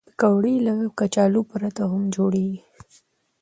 پکورې له کچالو پرته هم جوړېږي